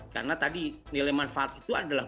karena tadi nilai manfaat itu adalah